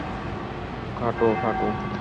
কাটো, কাটো।